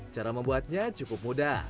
cara membuatnya cukup mudah